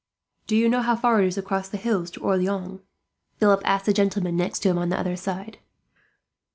"Do you know how far it is across the hills to Orleans?" Philip asked the gentlemen next to him on the other side.